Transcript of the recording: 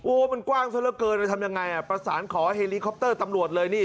มันกว้างซะละเกินเลยทำยังไงอ่ะประสานขอเฮลีคอปเตอร์ตำรวจเลยนี่